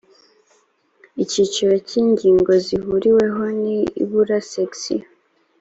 icyiciro cya ingingo zihuriweho ku ibura section